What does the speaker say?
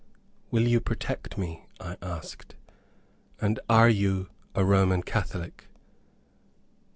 "Will you protect me?" I asked, "and are you a Roman Catholic?"